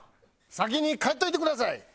先に帰っといてください。